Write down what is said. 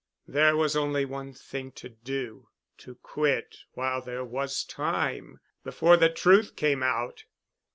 There was only one thing to do—to quit while there was time—before the truth came out.